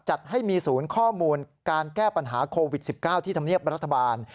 จัดให้มีศูนย์ข้อมูลการแก้ปัญหาโควิด๑๙ที่ธรรมเนียบรัฐบาล